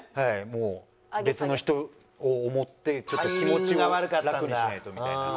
もう別の人を思ってちょっと気持ちをラクにしないとみたいな。